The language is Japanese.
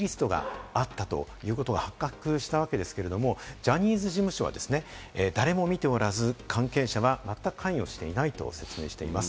その上で指名しない記者をリスト化した、いわゆるＮＧリストがあったということが発覚したわけですけれども、ジャニーズ事務所は誰も見ておらず、関係者はまったく関与していないと説明しています。